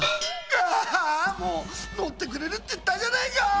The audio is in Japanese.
ああもうのってくれるっていったじゃないか！